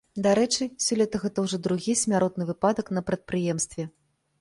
Дарэчы, сёлета гэта ўжо другі смяротны выпадак на прадпрыемстве.